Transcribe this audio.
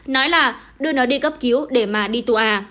nói là đưa nó đi cấp cứu để mà đi tù à